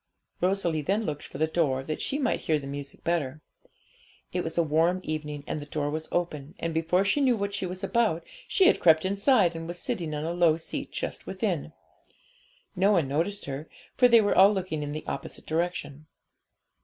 Rosalie then looked for the door, that she might hear the music better. It was a warm evening, and the door was open, and before she knew what she was about, she had crept inside, and was sitting on a low seat just within. No one noticed her, for they were all looking in the opposite direction.